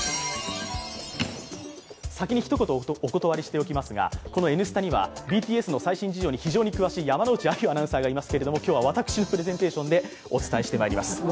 先に一言お断りしておきますがこの「Ｎスタ」にはＢＴＳの最新事情に詳しい山内あゆアナウンサーがいますけど今日は私のプレゼンテーションでお伝えしてまいります。